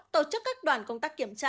tổ chức các đoàn công tác kiểm tra